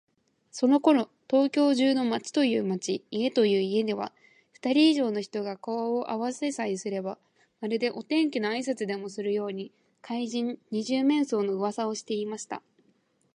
そのころ、東京中の町という町、家という家では、ふたり以上の人が顔をあわせさえすれば、まるでお天気のあいさつでもするように、怪人「二十面相」のうわさをしていました。